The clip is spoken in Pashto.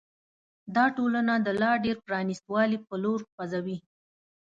دا ټولنه د لا ډېر پرانیست والي په لور خوځوي.